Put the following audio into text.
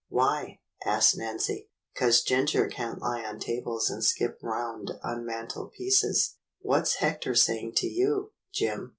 "Why.?" asked Nancy. "'Cause Ginger can't lie on tables and skip round on mantelpieces. What's Hector saying to you, Jim.?"